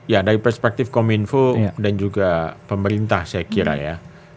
ya dari perspektif kominfo dan juga pemerintah saya kira ya